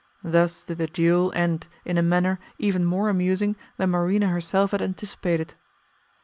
Thus did the duel end in a manner even more amusing than Marina herself had anticipated.